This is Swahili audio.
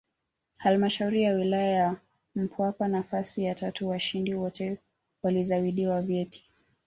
Halmashauri ya Wilaya ya Mpwapwa nafasi ya tatu washindi wote walizawadiwa vyeti